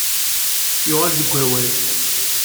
Yuɣal deg wawal.